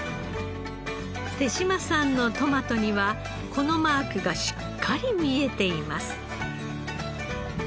手島さんのトマトにはこのマークがしっかり見えています。